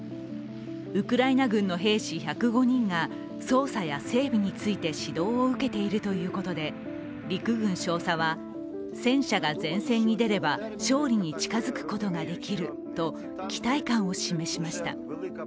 ウクライナ軍の兵士１０５人が操作や整備について指導を受けているということで、陸軍少佐は戦車が前線に出れば勝利に近づくことができると期待感を示しました。